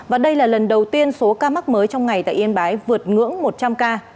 và đây là lần đầu tiên số ca mắc mới trong ngày tại yên bái vượt ngưỡng một trăm linh ca